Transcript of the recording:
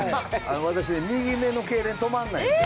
私、右目のけいれんが止まらないです。